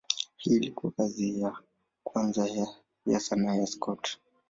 Hii ilikuwa kazi ya kwanza ya sanaa ya Scott.